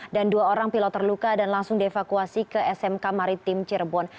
dan dua orang pilot terluka dan langsung dievakuasi ke smk maritim cirebon